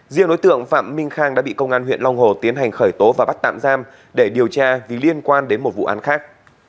riêng đối tượng phạm minh khang đã bị công an huyện long hồ tiến hành khởi tố và bắt tạm giam để điều tra vì liên quan đến một vụ án khác